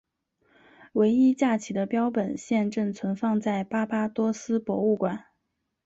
唯一架起的标本现正存放在巴巴多斯博物馆。